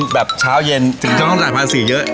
แบบเช้าเย็นจริงต้องตามรายภาษีเยอะ